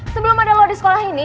sebelum ada lo di sekolah ini